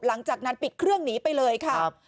หลังจากนั้นปิดเครื่องหนีไปเลยค่ะ